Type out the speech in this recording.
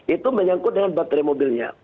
itu menyangkut dengan baterai mobilnya